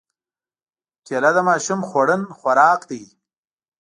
کېله د ماشوم خوړن خوراک دی.